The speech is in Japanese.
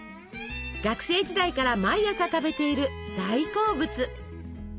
学生時代から毎朝食べている大好物。